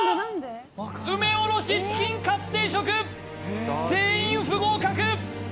梅おろしチキンかつ定食全員不合格！